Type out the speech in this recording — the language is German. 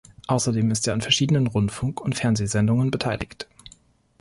Außerdem ist er an verschiedenen Rundfunk- und Fernsehsendungen beteiligt.